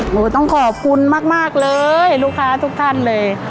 หนูต้องขอบคุณมากเลยลูกค้าทุกท่านเลย